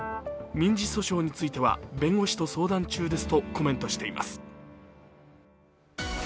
民事訴訟については弁護士と相談中ですとコメントしています。